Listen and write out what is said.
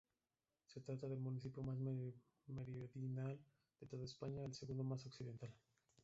Se trata del municipio más meridional de toda España, y el segundo más occidental.